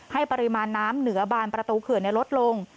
ปริมาณน้ำเหนือบานประตูเขื่อนลดลง